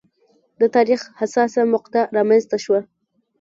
د تاریخ حساسه مقطعه رامنځته شوه.